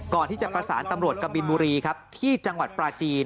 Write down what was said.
ก่อนที่จะประสานตำรวจกะบินบุรีครับที่จังหวัดปราจีน